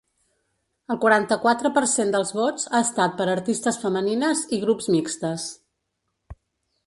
El quaranta-quatre per cent dels vots ha estat per a artistes femenines i grups mixtes.